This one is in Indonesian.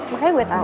makanya gue tau